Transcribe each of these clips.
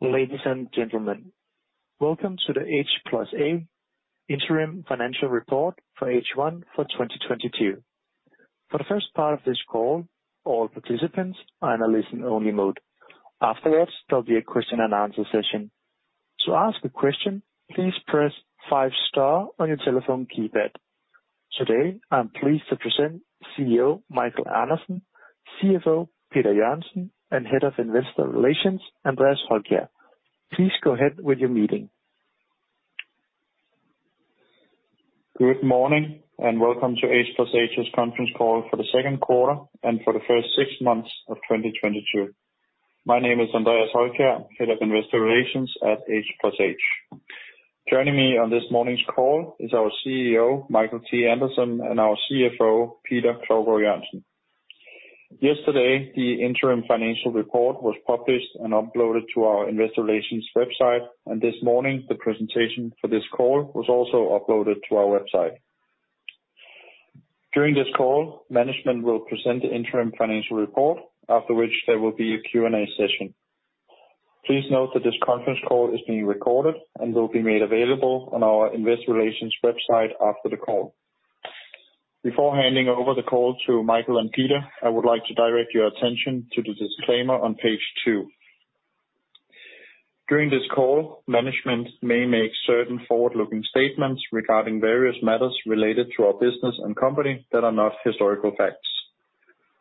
Ladies and gentlemen, welcome to the H+H Interim Financial Report for H1 for 2022. For the first part of this call, all participants are in a listen-only mode. Afterwards, there'll be a question and answer session. To ask a question, please press five star on your telephone keypad. Today, I'm pleased to present CEO Michael T. Andersen, CFO Peter Klovgaard-Jørgensen, and Head of Investor Relations, Andreas Holkjær. Please go ahead with your meeting. Good morning, and welcome to H+H's conference call for the second quarter and for the first six months of 2022. My name is Andreas Holkjær, Head of Investor Relations at H+H. Joining me on this morning's call is our CEO, Michael T. Andersen, and our CFO, Peter Klovgaard-Jørgensen. Yesterday, the interim financial report was published and uploaded to our investor relations website, and this morning the presentation for this call was also uploaded to our website. During this call, management will present the interim financial report, after which there will be a Q&A session. Please note that this conference call is being recorded and will be made available on our investor relations website after the call. Before handing over the call to Michael and Peter, I would like to direct your attention to the disclaimer on page two. During this call, management may make certain forward-looking statements regarding various matters related to our business and company that are not historical facts.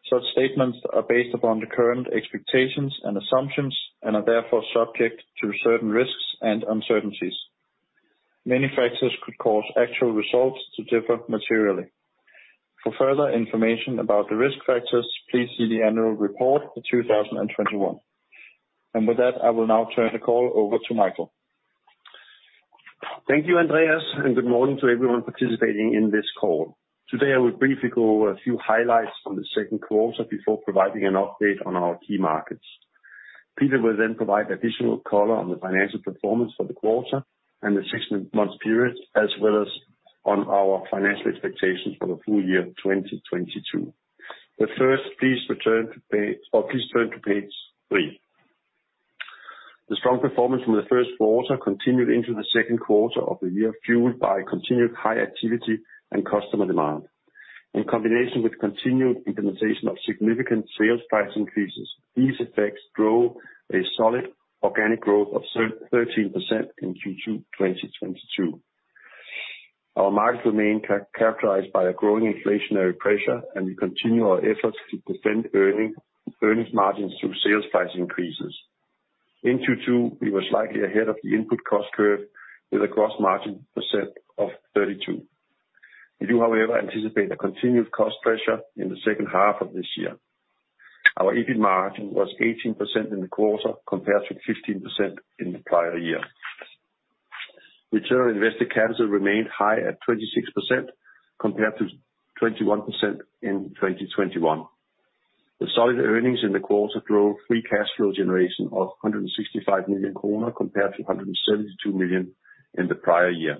Such statements are based upon the current expectations and assumptions and are therefore subject to certain risks and uncertainties. Many factors could cause actual results to differ materially. For further information about the risk factors, please see the annual report for 2021. With that, I will now turn the call over to Michael. Thank you, Andreas, and good morning to everyone participating in this call. Today, I will briefly go over a few highlights from the second quarter before providing an update on our key markets. Peter will then provide additional color on the financial performance for the quarter and the six-month period, as well as on our financial expectations for the full year 2022. First, please turn to page three. The strong performance from the first quarter continued into the second quarter of the year, fueled by continued high activity and customer demand. In combination with continued implementation of significant sales price increases, these effects drove a solid organic growth of 13% in Q2 2022. Our markets remain characterized by a growing inflationary pressure, and we continue our efforts to defend earnings margins through sales price increases. In Q2, we were slightly ahead of the input cost curve with a gross margin of 32%. We do, however, anticipate a continued cost pressure in the second half of this year. Our EBIT margin was 18% in the quarter, compared to 15% in the prior year. Return on invested capital remained high at 26%, compared to 21% in 2021. The solid earnings in the quarter drove free cash flow generation of 165 million kroner compared to 172 million in the prior year.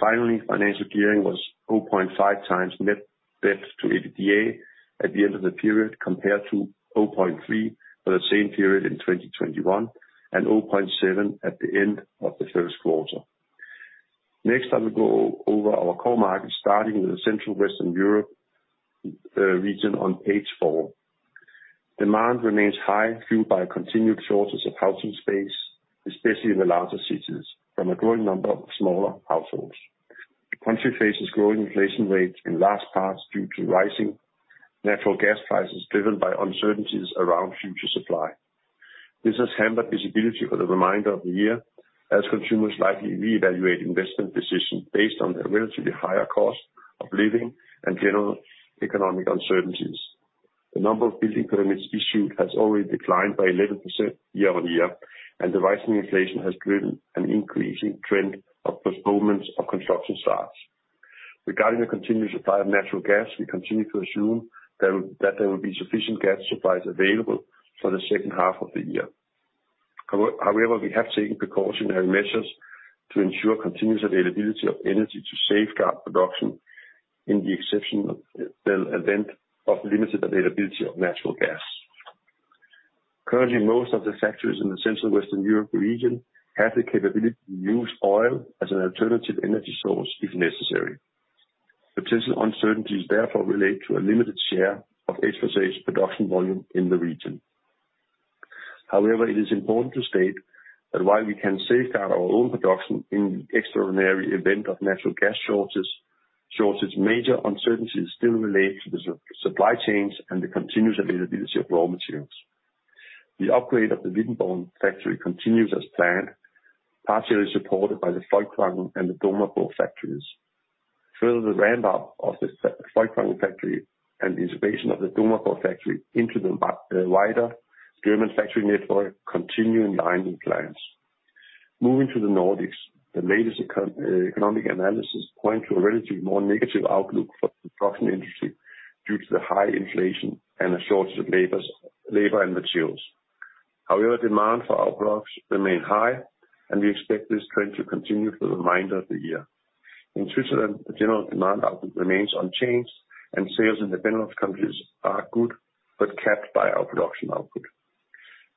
Finally, financial gearing was 0.5x net debt to EBITDA at the end of the period, compared to 0.3 for the same period in 2021, and 0.7 at the end of the first quarter. Next, I will go over our core markets, starting with the central Western Europe region on page four. Demand remains high, fueled by continued shortages of housing space, especially in the larger cities, from a growing number of smaller households. The country faces growing inflation rates in large part due to rising natural gas prices driven by uncertainties around future supply. This has hampered visibility for the remainder of the year, as consumers likely reevaluate investment decisions based on the relatively higher cost of living and general economic uncertainties. The number of building permits issued has already declined by 11% year-on-year, and the rising inflation has driven an increasing trend of postponements of construction starts. Regarding the continued supply of natural gas, we continue to assume there will be sufficient gas supplies available for the second half of the year. However, we have taken precautionary measures to ensure continuous availability of energy to safeguard production in the exceptional event of limited availability of natural gas. Currently, most of the factories in the central Western Europe region have the capability to use oil as an alternative energy source if necessary. Potential uncertainties therefore relate to a limited share of H+H production volume in the region. However, it is important to state that while we can safeguard our own production in the extraordinary event of natural gas shortages, major uncertainties still relate to the supply chains and the continuous availability of raw materials. The upgrade of the Wittenborn factory continues as planned, partially supported by the Volkwarden and the Dormagen factories. Further, the ramp up of the Volkwarden factory and the integration of the Dormagen factory into the wider German factory network continue in line with plans. Moving to the Nordics, the latest macro-economic analysis points to a relatively more negative outlook for the construction industry due to the high inflation and a shortage of labor and materials. However, demand for our products remains high, and we expect this trend to continue for the remainder of the year. In Switzerland, the general demand output remains unchanged, and sales in the Benelux countries are good, but capped by our production output.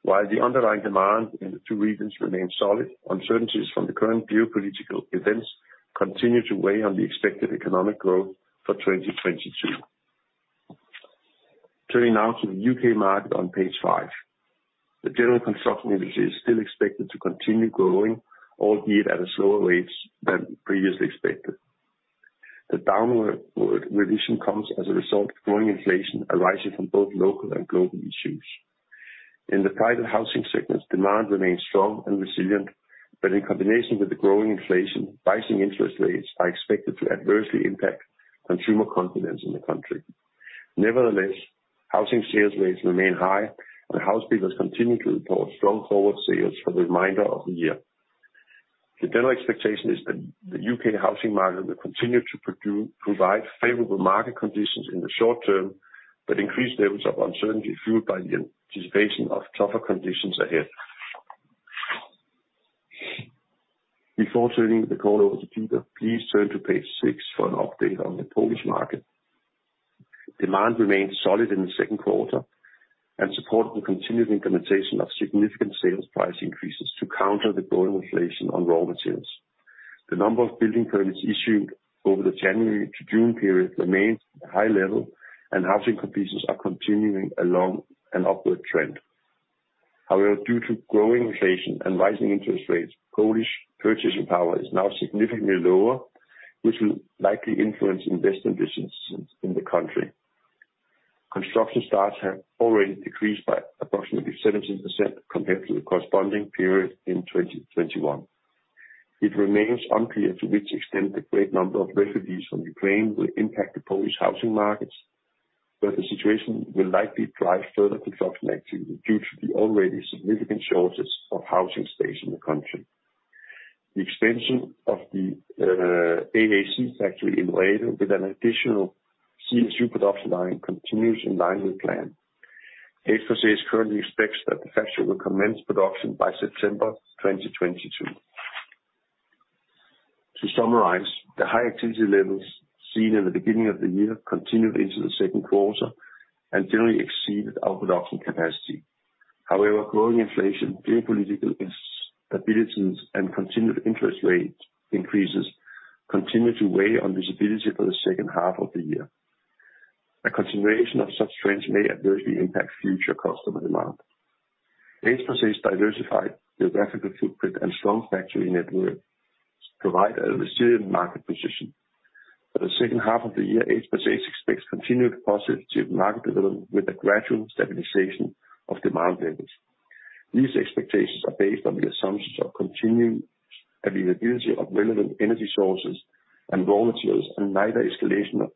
While the underlying demand in the two regions remains solid, uncertainties from the current geopolitical events continue to weigh on the expected economic growth for 2022. Turning now to the UK market on page five. The general construction industry is still expected to continue growing, albeit at a slower rate than previously expected. The downward revision comes as a result of growing inflation arising from both local and global issues. In the private housing segments, demand remains strong and resilient, but in combination with the growing inflation, rising interest rates are expected to adversely impact consumer confidence in the country. Nevertheless, housing sales rates remain high, and housebuilders continue to report strong forward sales for the remainder of the year. The general expectation is that the UK housing market will continue to provide favorable market conditions in the short term, but increased levels of uncertainty fueled by the anticipation of tougher conditions ahead. Before turning the call over to Peter, please turn to page six for an update on the Polish market. Demand remained solid in the second quarter and supported the continued implementation of significant sales price increases to counter the growing inflation on raw materials. The number of building permits issued over the January to June period remains at a high level, and housing completions are continuing along an upward trend. However, due to growing inflation and rising interest rates, Polish purchasing power is now significantly lower, which will likely influence investment decisions in the country. Construction starts have already decreased by approximately 17% compared to the corresponding period in 2021. It remains unclear to which extent the great number of refugees from Ukraine will impact the Polish housing markets, but the situation will likely drive further construction activity due to the already significant shortage of housing space in the country. The expansion of the AAC factory in Wajda with an additional CSU production line continues in line with plan. H+H currently expects that the factory will commence production by September 2022. To summarize, the high activity levels seen in the beginning of the year continued into the second quarter and generally exceeded our production capacity. However, growing inflation, geopolitical instabilities, and continued interest rate increases continue to weigh on visibility for the second half of the year. A continuation of such trends may adversely impact future customer demand. H+H's diversified geographical footprint and strong factory network provide a resilient market position. For the second half of the year, H+H expects continued positive market development with a gradual stabilization of demand levels. These expectations are based on the assumptions of continued availability of relevant energy sources and raw materials, and neither escalation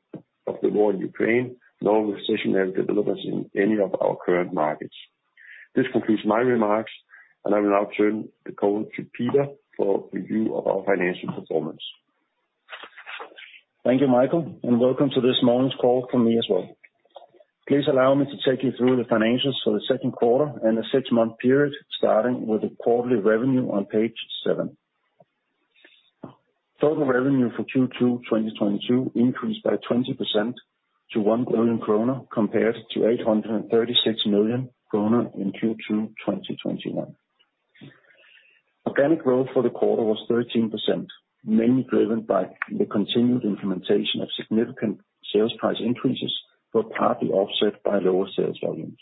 of the war in Ukraine, nor recessionary developments in any of our current markets. This concludes my remarks, and I will now turn the call to Peter for review of our financial performance. Thank you, Michael, and welcome to this morning's call from me as well. Please allow me to take you through the financials for the second quarter and the six-month period, starting with the quarterly revenue on page seven. Total revenue for Q2 2022 increased by 20% to 1 billion krone, compared to 836 million krone in Q2 2021. Organic growth for the quarter was 13%, mainly driven by the continued implementation of significant sales price increases, but partly offset by lower sales volumes.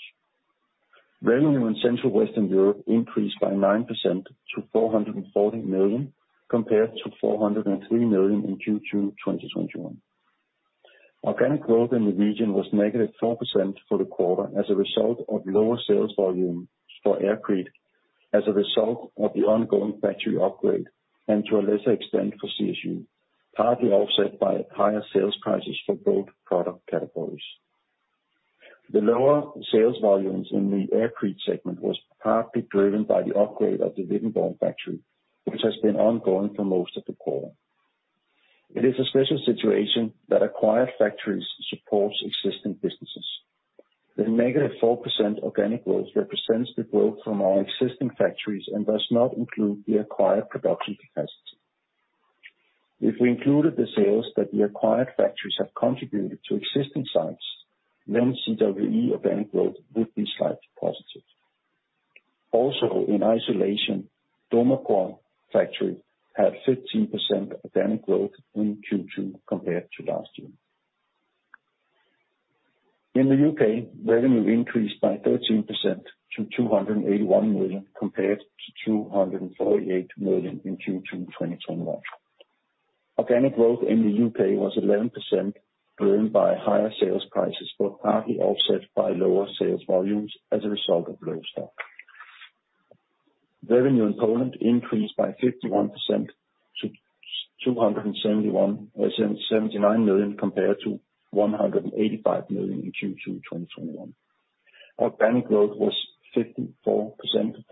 Revenue in Central Western Europe increased by 9% to 440 million, compared to 403 million in Q2 2021. Organic growth in the region was negative 4% for the quarter as a result of lower sales volume for aircrete as a result of the ongoing factory upgrade, and to a lesser extent for CSU, partly offset by higher sales prices for both product categories. The lower sales volumes in the aircrete segment was partly driven by the upgrade of the Wittenborn factory, which has been ongoing for most of the quarter. It is a special situation that acquired factories supports existing businesses. The negative 4% organic growth represents the growth from our existing factories and does not include the acquired production capacity. If we included the sales that the acquired factories have contributed to existing sites, then CWE organic growth would be slightly positive. Also in isolation, DOMAPOR factory had 15% organic growth in Q2 compared to last year. In the UK, revenue increased by 13% to 281 million, compared to 248 million in Q2 2021. Organic growth in the UK was 11%, driven by higher sales prices, but partly offset by lower sales volumes as a result of lower stock. Revenue in Poland increased by 51% to 279 million compared to 185 million in Q2 2021. Organic growth was 54% for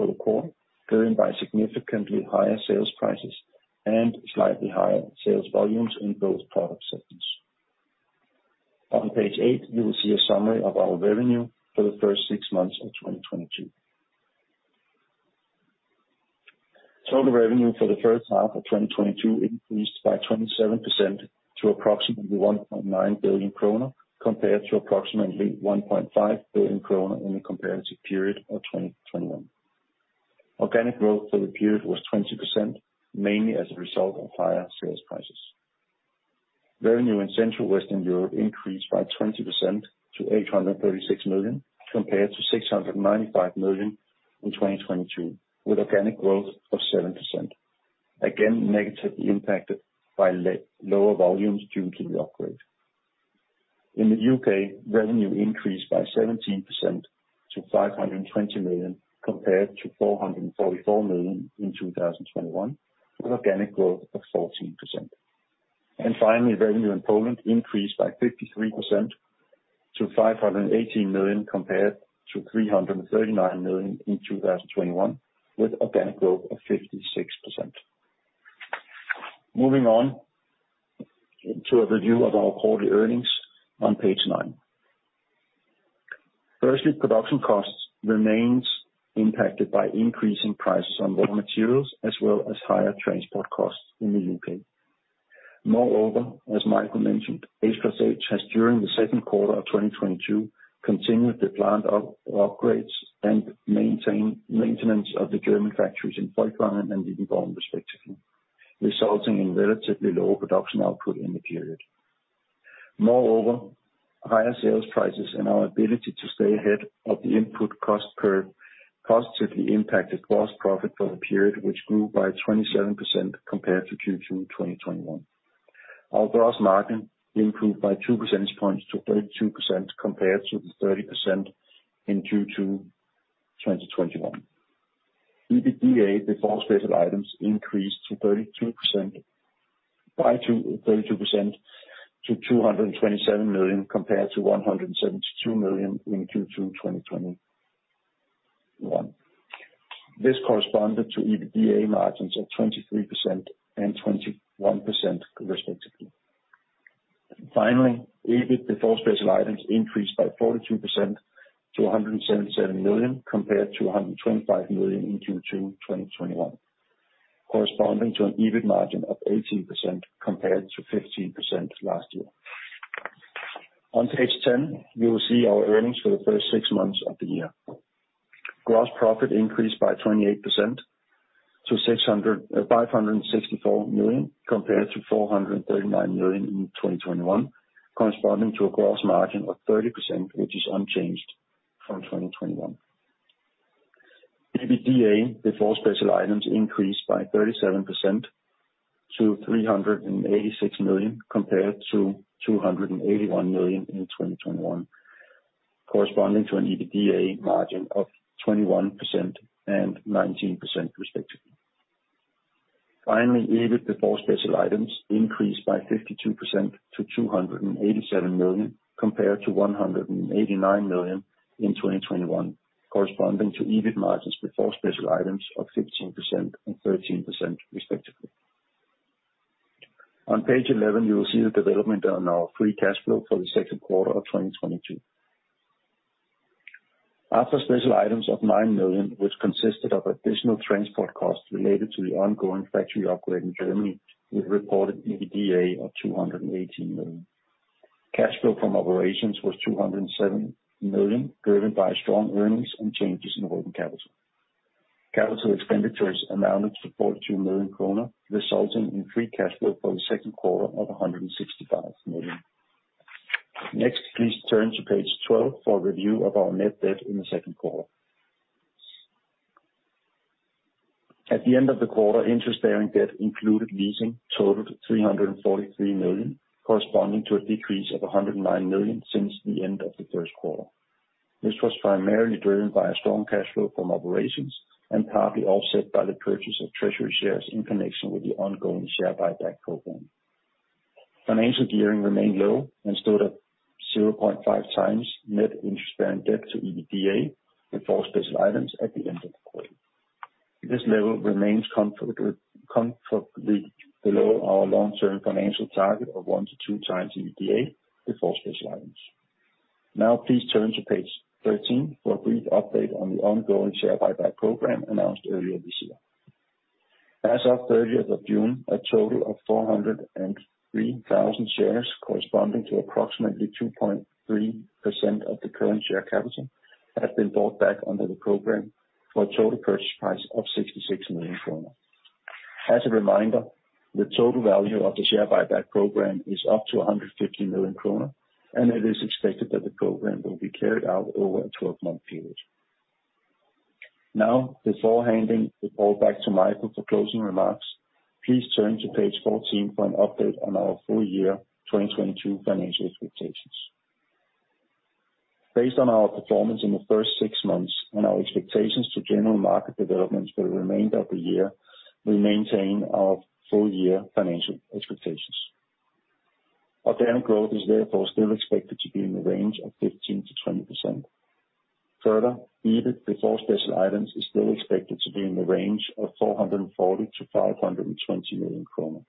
the quarter, driven by significantly higher sales prices and slightly higher sales volumes in both product segments. On page eight, you will see a summary of our revenue for the first six months of 2022. Total revenue for the first half of 2022 increased by 27% to approximately 1.9 billion kroner, compared to approximately 1.5 billion kroner in the comparative period of 2021. Organic growth for the period was 20%, mainly as a result of higher sales prices. Revenue in Central Western Europe increased by 20% to 836 million, compared to 695 million in 2021, with organic growth of 7%, again, negatively impacted by lower volumes due to the upgrade. In the UK, revenue increased by 17% to 520 million, compared to 444 million in 2021, with organic growth of 14%. Finally, revenue in Poland increased by 53% to 580 million, compared to 339 million in 2021, with organic growth of 56%. Moving on to a review of our quarterly earnings on page nine. Firstly, production costs remains impacted by increasing prices on raw materials as well as higher transport costs in the UK. Moreover, as Michael mentioned, H+H has during the second quarter of 2022 continued the planned upgrades and maintenance of the German factories in Volkmann and Wittenborn respectively, resulting in relatively low production output in the period. Moreover, higher sales prices and our ability to stay ahead of the input cost curve positively impacted gross profit for the period, which grew by 27% compared to Q2 2021. Our gross margin improved by 2 percentage points to 32% compared to the 30% in Q2 2021. EBITDA before special items increased by 32% to 227 million, compared to 172 million in Q2 2021. This corresponded to EBITDA margins of 23% and 21% respectively. Finally, EBIT before special items increased by 42% to 177 million, compared to 125 million in Q2 2021, corresponding to an EBIT margin of 18% compared to 15% last year. On page 10, you will see our earnings for the first six months of the year. Gross profit increased by 28% to 564 million, compared to 439 million in 2021, corresponding to a gross margin of 30%, which is unchanged from 2021. EBITDA before special items increased by 37% to 386 million, compared to 281 million in 2021, corresponding to an EBITDA margin of 21% and 19% respectively. Finally, EBIT before special items increased by 52% to 287 million, compared to 189 million in 2021, corresponding to EBIT margins before special items of 15% and 13% respectively. On page 11, you will see the development on our free cash flow for the second quarter of 2022. After special items of 9 million, which consisted of additional transport costs related to the ongoing factory upgrade in Germany, we've reported EBITDA of 280 million. Cash flow from operations was 207 million, driven by strong earnings and changes in working capital. Capital expenditures amounted to 42 million kroner, resulting in free cash flow for the second quarter of 165 million. Next, please turn to page 12 for a review of our net debt in the second quarter. At the end of the quarter, interest-bearing debt included leasing totaled DKK 343 million, corresponding to a decrease of DKK 109 million since the end of the first quarter. This was primarily driven by a strong cash flow from operations and partly offset by the purchase of treasury shares in connection with the ongoing share buyback program. Financial gearing remained low and stood at 0.5x net interest-bearing debt to EBITDA before special items at the end of the quarter. This level remains comfortably below our long-term financial target of 1-2x EBITDA before special items. Now please turn to page 13 for a brief update on the ongoing share buyback program announced earlier this year. As of 30th of June, a total of 403,000 shares, corresponding to approximately 2.3% of the current share capital, have been bought back under the program for a total purchase price of 66 million kroner. As a reminder, the total value of the share buyback program is up to 150 million kroner, and it is expected that the program will be carried out over a 12-month period. Now, before handing the call back to Michael for closing remarks, please turn to page 14 for an update on our full year 2022 financial expectations. Based on our performance in the first six months and our expectations to general market developments for the remainder of the year, we maintain our full-year financial expectations. Organic growth is therefore still expected to be in the range of 15%-20%. Further, EBIT before special items is still expected to be in the range of 440 million-520 million kroner.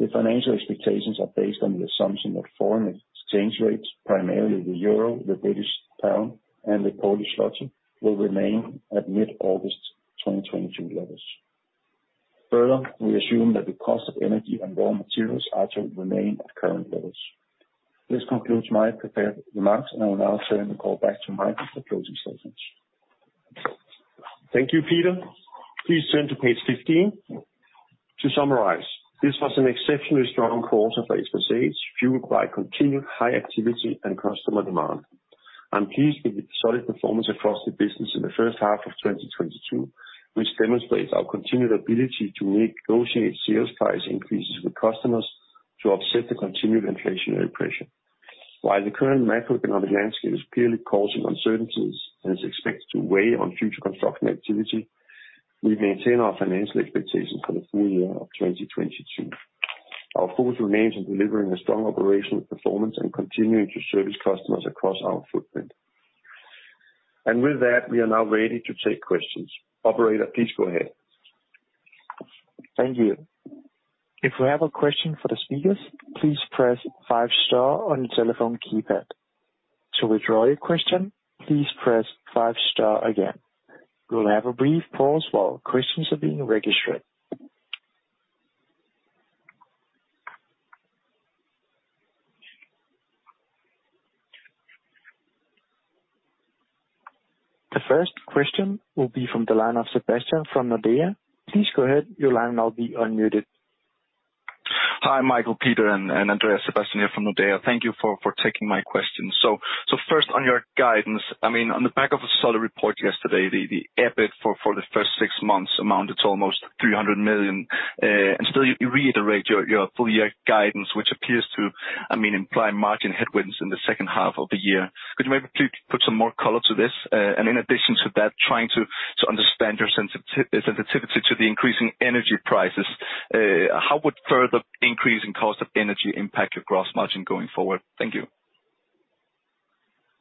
The financial expectations are based on the assumption that foreign exchange rates, primarily the euro, the British pound, and the Polish zloty will remain at mid-August 2022 levels. Further, we assume that the cost of energy and raw materials are to remain at current levels. This concludes my prepared remarks, and I will now turn the call back to Michael for closing statements. Thank you, Peter. Please turn to page 15. To summarize, this was an exceptionally strong quarter for H+H, fueled by continued high activity and customer demand. I'm pleased with the solid performance across the business in the first half of 2022, which demonstrates our continued ability to renegotiate sales price increases with customers to offset the continued inflationary pressure. While the current macroeconomic landscape is clearly causing uncertainties and is expected to weigh on future construction activity, we maintain our financial expectations for the full year of 2022. Our focus remains on delivering a strong operational performance and continuing to service customers across our footprint. With that, we are now ready to take questions. Operator, please go ahead. Thank you. If you have a question for the speakers, please press five star on your telephone keypad. To withdraw your question, please press five star again. We'll have a brief pause while questions are being registered. The first question will be from the line of Sebastian from Nordea. Please go ahead. Your line will now be unmuted. Hi, Michael, Peter, and Andreas. Sebastian here from Nordea. Thank you for taking my questions. First on your guidance, I mean, on the back of a solid report yesterday, the EBIT for the first six months amounted to almost 300 million, and still you reiterate your full year guidance, which appears to, I mean, imply margin headwinds in the second half of the year. Could you maybe please put some more color to this? In addition to that, trying to understand your sensitivity to the increasing energy prices, how would further increase in cost of energy impact your gross margin going forward? Thank you.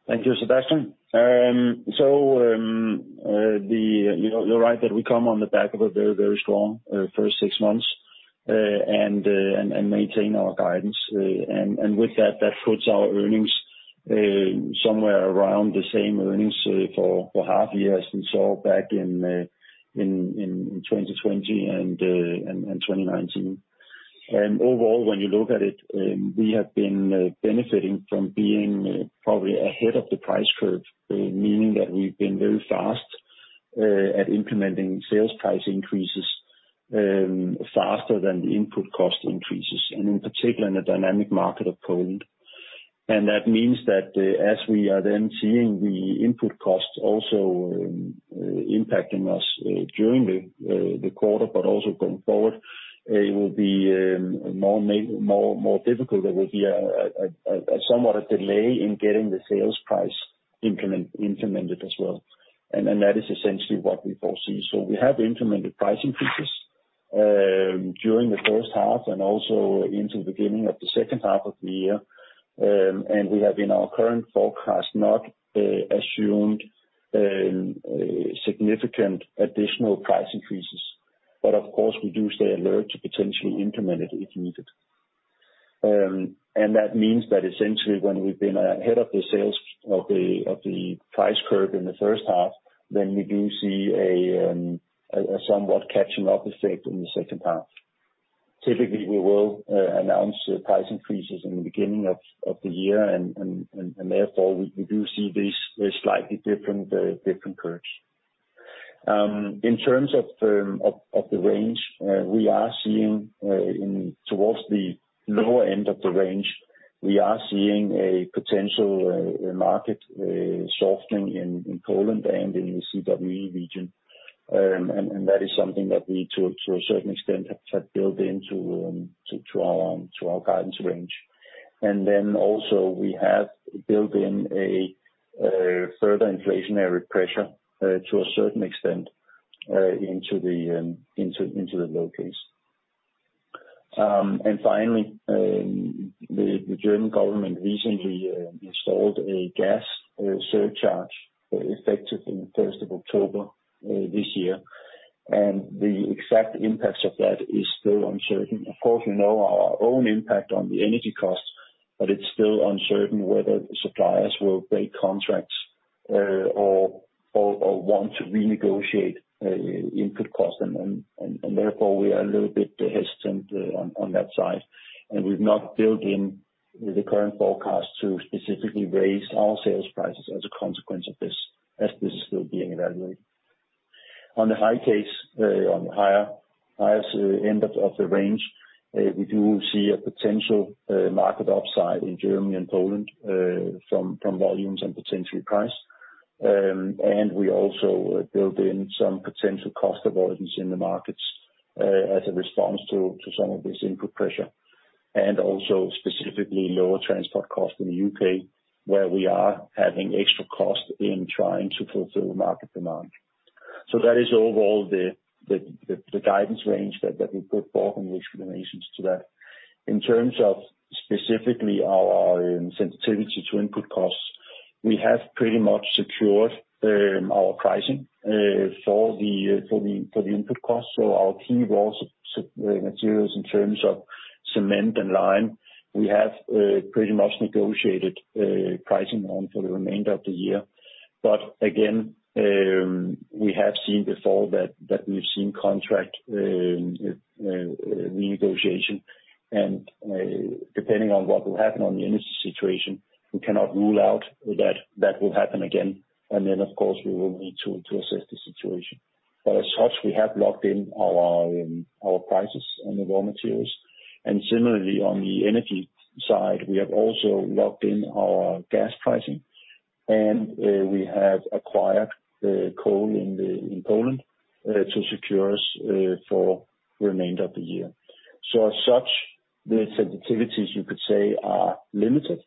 Thank you, Sebastian. You're right that we come on the back of a very strong first six months and maintain our guidance. With that puts our earnings somewhere around the same earnings for half year since all back in 2020 and 2019. Overall, when you look at it, we have been benefiting from being probably ahead of the price curve, meaning that we've been very fast at implementing sales price increases, faster than the input cost increases, and in particular in the dynamic market of Poland. That means that, as we are then seeing the input costs also impacting us during the quarter but also going forward, it will be more difficult. There will be a somewhat delay in getting the sales price implemented as well. That is essentially what we foresee. We have implemented price increases during the first half and also into the beginning of the second half of the year, and we have in our current forecast not assumed significant additional price increases. Of course, we do stay alert to potentially implement it if needed. That means that essentially, when we've been ahead of the sales of the price curve in the first half, then we do see a somewhat catching up effect in the second half. Typically, we will announce the price increases in the beginning of the year and therefore we do see this slightly different curves. In terms of the range, we are seeing towards the lower end of the range, we are seeing a potential market softening in Poland and in the CWE region. That is something that we, to a certain extent, have built into our guidance range. We have also built in a further inflationary pressure to a certain extent into the low case. Finally, the German government recently installed a gas surcharge effective the first of October this year, and the exact impacts of that is still uncertain. Of course, we know our own impact on the energy costs, but it's still uncertain whether the suppliers will break contracts or want to renegotiate input costs. Therefore, we are a little bit hesitant on that side, and we've not built in the current forecast to specifically raise our sales prices as a consequence of this, as this is still being evaluated. On the highest end of the range, we do see a potential market upside in Germany and Poland from volumes and potentially price. We also built in some potential cost avoidance in the markets as a response to some of this input pressure, and also specifically lower transport costs in the UK, where we are having extra costs in trying to fulfill market demand. That is overall the guidance range that we put forward and the explanations to that. In terms of specifically our sensitivity to input costs. We have pretty much secured our pricing for the input costs. Our key raw materials in terms of cement and lime, we have pretty much negotiated pricing on for the remainder of the year. Again, we have seen before that we've seen contract renegotiation and, depending on what will happen on the energy situation, we cannot rule out that that will happen again. Of course, we will need to assess the situation. As such, we have locked in our prices on the raw materials. Similarly on the energy side, we have also locked in our gas pricing, and we have acquired coal in Poland to secure us for remainder of the year. As such, the sensitivities, you could say, are limited.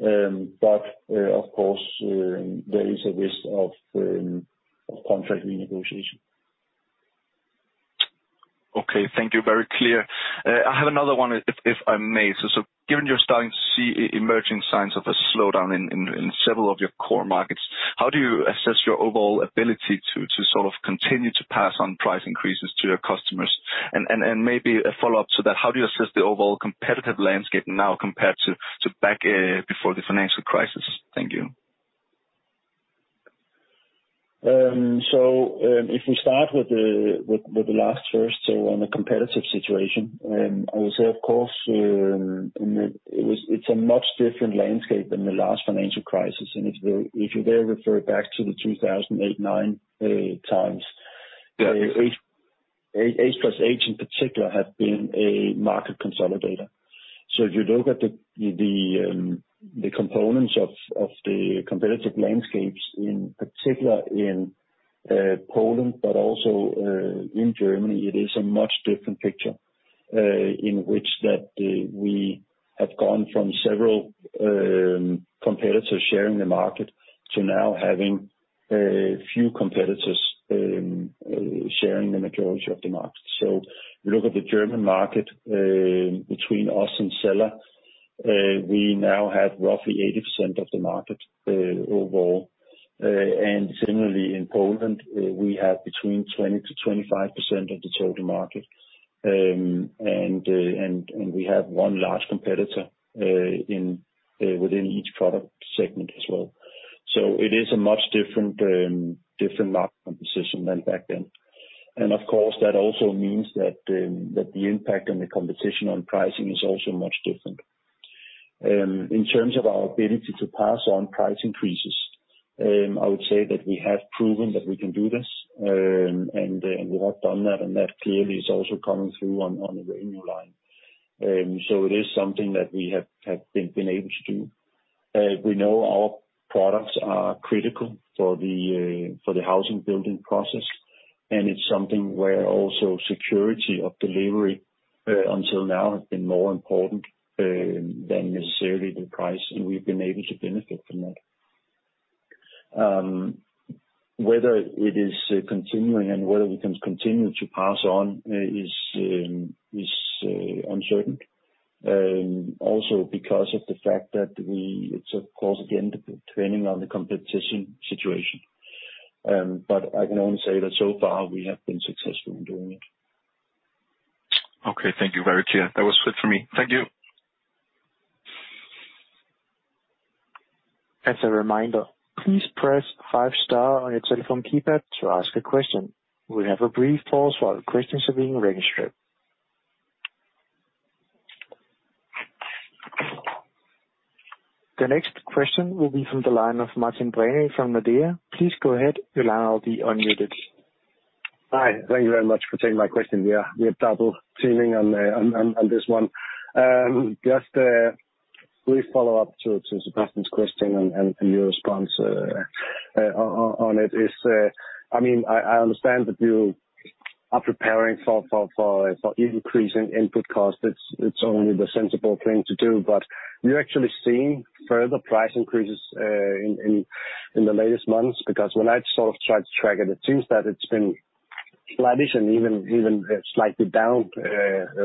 But of course, there is a risk of contract renegotiation. Okay. Thank you. Very clear. I have another one if I may. Given you're starting to see emerging signs of a slowdown in several of your core markets, how do you assess your overall ability to sort of continue to pass on price increases to your customers? Maybe a follow-up to that, how do you assess the overall competitive landscape now compared to back before the financial crisis? Thank you. If we start with the last first, on the competitive situation, I would say of course, it's a much different landscape than the last financial crisis. If you dare refer back to the 2008-2009 times. Yeah. H+H in particular had been a market consolidator. If you look at the components of the competitive landscapes, in particular in Poland but also in Germany, it is a much different picture in which we have gone from several competitors sharing the market to now having a few competitors sharing the majority of the market. If you look at the German market, between us and Sella, we now have roughly 80% of the market overall. And similarly in Poland, we have between 20%-25% of the total market. We have one large competitor within each product segment as well. It is a much different market composition than back then. Of course, that also means that the impact on the competition on pricing is also much different. In terms of our ability to pass on price increases, I would say that we have proven that we can do this, and we have done that, and that clearly is also coming through on the revenue line. It is something that we have been able to do. We know our products are critical for the housing building process, and it's something where also security of delivery until now has been more important than necessarily the price, and we've been able to benefit from that. Whether it is continuing and whether we can continue to pass on is uncertain. Also because of the fact that it's of course, again, depending on the competition situation. I can only say that so far we have been successful in doing it. Okay. Thank you. Very clear. That was it for me. Thank you. As a reminder, please press five star on your telephone keypad to ask a question. We'll have a brief pause while the questions are being registered. The next question will be from the line of Martin Brenøe from Nordea. Please go ahead. Your line will be unmuted. Hi. Thank you very much for taking my question. We are double teaming on this one. Just a brief follow-up to Sebastian's question and your response on it. I mean, I understand that you are preparing for increase in input costs. It's only the sensible thing to do. Are you actually seeing further price increases in the latest months? Because when I sort of tried to track it seems that it's been flattish and even slightly down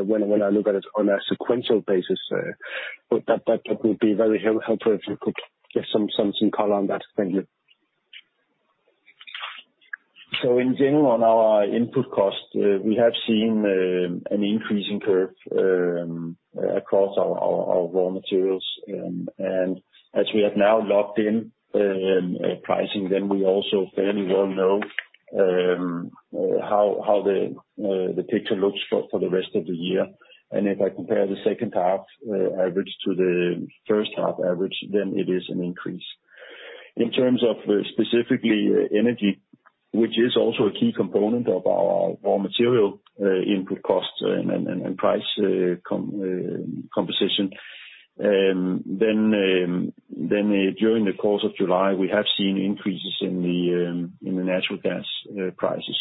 when I look at it on a sequential basis. That would be very helpful if you could give some color on that. Thank you. In general, on our input cost, we have seen an increasing curve across our raw materials. As we have now locked in pricing, then we also fairly well know how the picture looks for the rest of the year. If I compare the second half average to the first half average, then it is an increase. In terms of specifically energy, which is also a key component of our raw material input cost and price composition, then during the course of July, we have seen increases in the natural gas prices.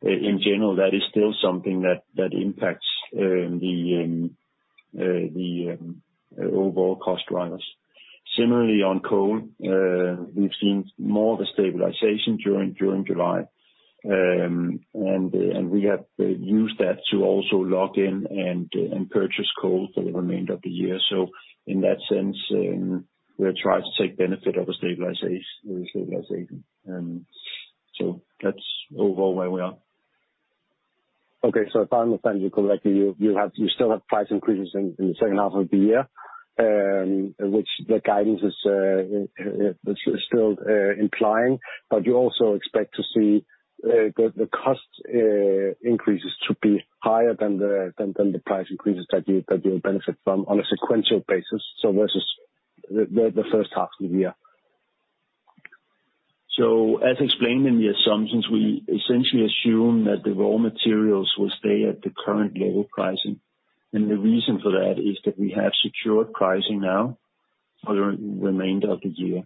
In general, that is still something that impacts the overall cost drivers. Similarly, on coal, we've seen more of a stabilization during July. We have used that to also lock in and purchase coal for the remainder of the year. In that sense, we are trying to take benefit of a stabilization. That's overall where we are. Okay. If I understand you correctly, you still have price increases in the second half of the year, which the guidance is still implying. But you also expect to see the cost increases to be higher than the price increases that you benefit from on a sequential basis, so versus the first half of the year. As explained in the assumptions, we essentially assume that the raw materials will stay at the current level pricing. The reason for that is that we have secured pricing now for the remainder of the year.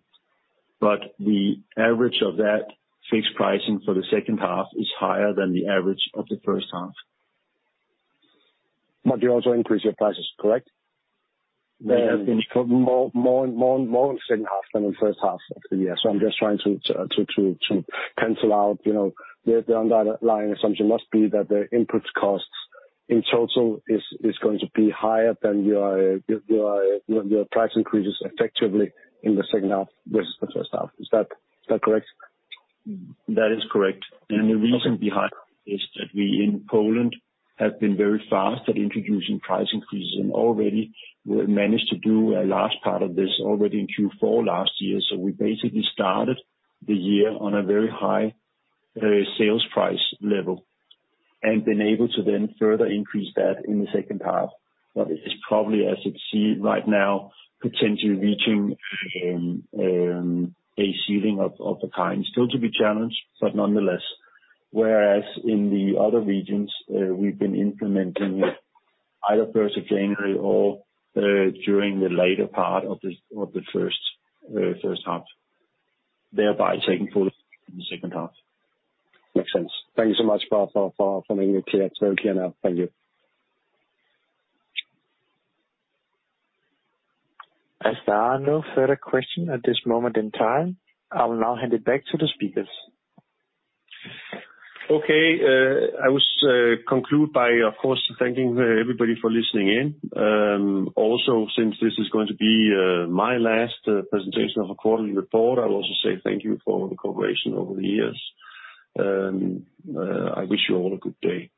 The average of that fixed pricing for the second half is higher than the average of the first half. You also increase your prices, correct? They have been- More in second half than the first half of the year. I'm just trying to cancel out, you know. The underlying assumption must be that the input costs in total is going to be higher than your price increases effectively in the second half versus the first half. Is that correct? That is correct. Okay. The reason behind it is that we, in Poland, have been very fast at introducing price increases and already we managed to do a large part of this already in Q4 last year. We basically started the year on a very high sales price level, and been able to then further increase that in the second half. It is probably, as you see right now, potentially reaching a ceiling of the kind. Still to be challenged, nonetheless. Whereas in the other regions, we've been implementing either first of January or during the later part of the first half, thereby taking full effect in the second half. Makes sense. Thank you so much for making it clear. It's very clear now. Thank you. As there are no further questions at this moment in time, I will now hand it back to the speakers. Okay. I will conclude by, of course, thanking everybody for listening in. Also, since this is going to be my last presentation of a quarterly report, I will also say thank you for all the cooperation over the years. I wish you all a good day.